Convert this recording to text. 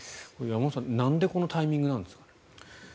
山本さん、なんでこのタイミングなんですか？